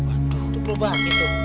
aduh itu gerobak itu